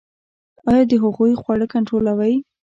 ایا د هغوی خواړه کنټرولوئ؟